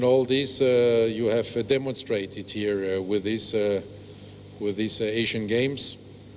dan semua ini anda telah menunjukkan di sini dengan asian games